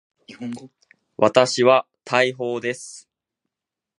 私は大砲です。